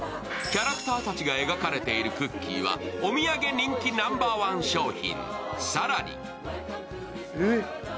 キャラクターたちが描かれているクッキーはお土産人気ナンバーワン商品。